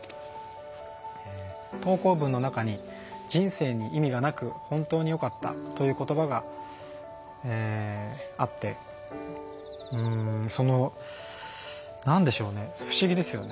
投稿文の中に「人生に意味がなく本当によかった」という言葉があってその何でしょうね不思議ですね。